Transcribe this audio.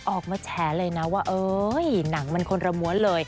ออกมาแชร์เลยนะว่าหนังมันคนระมวลเลย